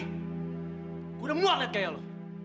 gue udah muak liat kayak lo